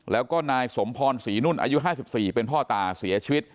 แล้วก็นายสมพรศรีนุ่นอายุ๕๔เป็นพ่อตาเสียชีวิต